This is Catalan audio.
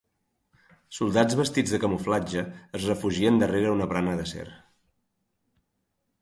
Soldats vestits de camuflatge es refugien darrere una barana d'acer.